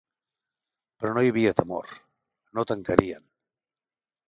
Però no hi havia temor: no tancarien.